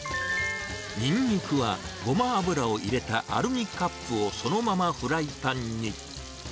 ニンニクは、ゴマ油を入れたアルミカップをそのままフライパンに。